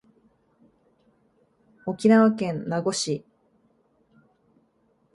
沖縄県名護市